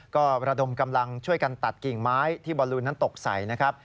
ก็ระดมกำลังช่วยกันตัดกิ่งไม้ที่บอลลูนนั้นตกใส่นะครับ